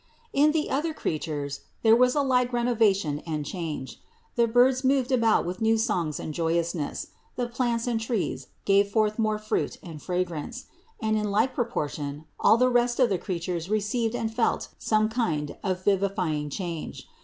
130. In the other creatures there was a like renovation and change. The birds moved about with new songs and joyousness; the plants and trees gave forth more fruit and fragrance; and in like proportion all the rest of the creatures received and felt some kind of vivifying change.